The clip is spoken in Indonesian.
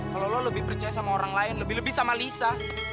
kalau lo lebih percaya sama orang lain lebih lebih sama lisa